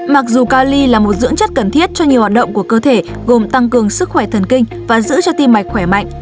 mặc dù cali là một dưỡng chất cần thiết cho nhiều hoạt động của cơ thể gồm tăng cường sức khỏe thần kinh và giữ cho tim mạch khỏe mạnh